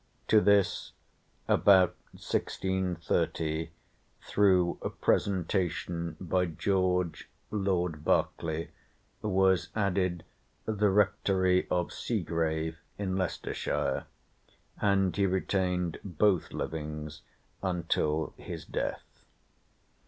To this, about 1630, through presentation by George, Lord Berkeley, was added the rectory of Segrave in Leicestershire, and he retained both livings until his death.